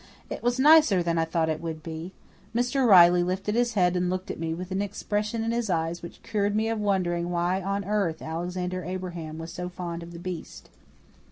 It was nicer than I thought it would be. Mr. Riley lifted his head and looked at me with an expression in his eyes which cured me of wondering why on earth Alexander Abraham was so fond of the beast.